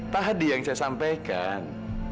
tadi yang saya sampaikan